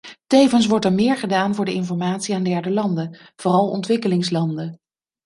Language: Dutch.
Tevens wordt er meer gedaan voor de informatie aan derde landen, vooral ontwikkelingslanden.